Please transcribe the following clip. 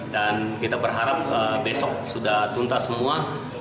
dan kita berharap besok sudah tuntas semua